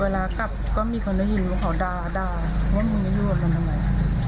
เวลากลับก็มีคนหน้าหินเขาด่าว่ามึงไม่รู้ว่ามันทำไม